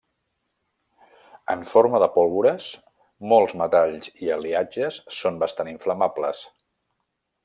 En forma de pólvores, molts metalls i aliatges són bastant inflamables.